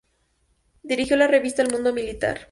Dirigió la revista "El Mundo Militar".